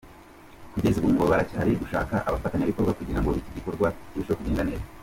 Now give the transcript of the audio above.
Kugeza ubu ngo baracyari gushaka abafatanyabikorwa kugira ngo iki gikorwa kirusheho kugenda neza.